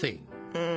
うん。